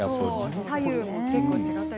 左右も結構違ったり。